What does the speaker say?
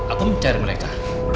aku mencari mereka